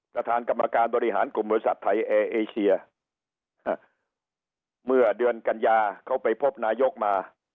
ประธานกรรมการบริหารกลุ่มบริษัทไทยแอร์เอเชียเมื่อเดือนกัญญาเขาไปพบนายกมา